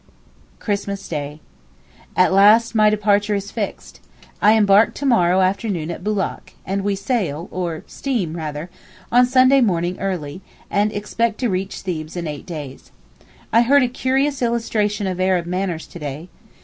Christmas Day.—At last my departure is fixed. I embark to morrow afternoon at Boulak, and we sail—or steam, rather—on Sunday morning early, and expect to reach Thebes in eight days. I heard a curious illustration of Arab manners to day.